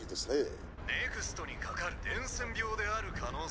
「ＮＥＸＴにかかる伝染病である可能性が」。